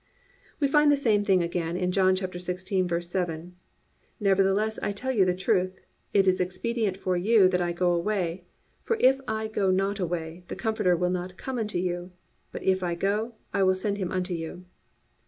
7. We find the same thing again in John 16:7: +"Nevertheless I tell you the truth: it is expedient for you that I go away; for if I go not away, the Comforter will not come unto you; but if I go, I will send Him unto you."